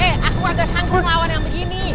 eh aku agak sanggul lawan yang begini